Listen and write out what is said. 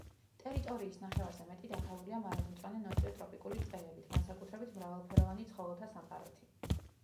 ტერიტორიის ნახევარზე მეტი დაფარულია მარადმწვანე ნოტიო ტროპიკული ტყეებით განსაკუთრებით მრავალფეროვანი ცხოველთა სამყაროთი.